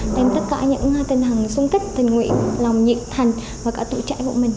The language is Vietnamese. đem tất cả những tình hình xung kích tình nguyện lòng nhiệt thành và tự trạng của mình